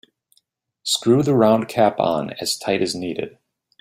Screw the round cap on as tight as needed.